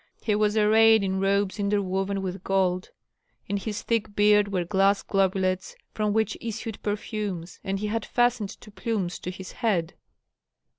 He was arrayed in robes interwoven with gold; in his thick beard were glass globulets from which issued perfumes, and he had fastened two plumes to his head.